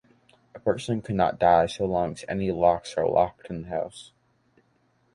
A person cannot die so long as any locks are locked in the house.